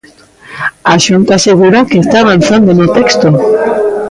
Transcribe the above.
A Xunta asegura que está avanzando no texto.